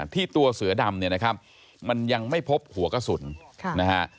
ตัวเสือดำเนี่ยนะครับมันยังไม่พบหัวกระสุนนะฮะ